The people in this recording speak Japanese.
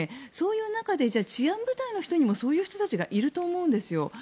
そういう中で、治安部隊の人にもそういう人たちがいると思うんですよ。